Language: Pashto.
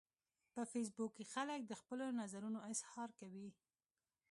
په فېسبوک کې خلک د خپلو نظرونو اظهار کوي